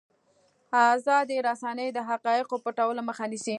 ازادې رسنۍ د حقایقو پټولو مخه نیسي.